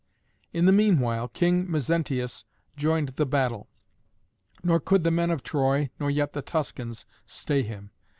In the meanwhile King Mezentius joined the battle. Nor could the men of Troy, nor yet the Tuscans, stay him.